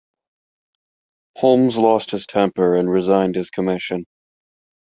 Holmes lost his temper and resigned his commission.